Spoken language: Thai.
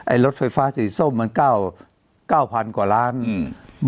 รถไฟฟ้าสีส้มมันเก้าเก้าพันกว่าล้านอืม